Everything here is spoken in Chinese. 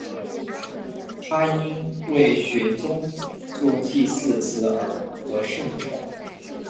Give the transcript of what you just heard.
他因为玄宗作祭祀词而得圣宠。